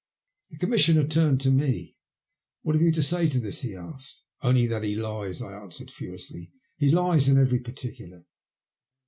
The Commissioner turned to me. " What have you to say to this ?" he asked. " Only that he lies," I answered furiously. He lies in every particular.